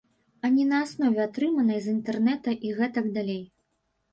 А не на аснове атрыманай з інтэрнэта і гэтак далей.